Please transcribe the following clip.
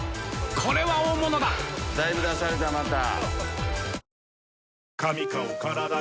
これは大物だだいぶ出されたまた。